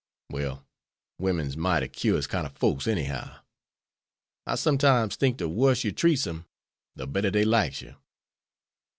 Well, women's mighty curious kind of folks anyhow. I sometimes thinks de wuss you treats dem de better dey likes you."